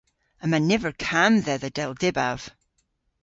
Yma niver kamm dhedha dell dybav.